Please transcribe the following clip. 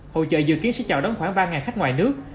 hội chợ dự kiến sẽ chào đón khoảng ba khách ngoài nước